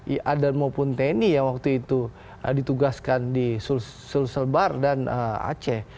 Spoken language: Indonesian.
ia dan maupun tni yang waktu itu ditugaskan di sulselbar dan aceh